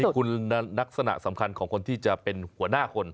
อันนี้คุณนักสนะสำคัญของคนที่จะเป็นหัวหน้าคน